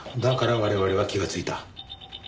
だから我々は気がついた。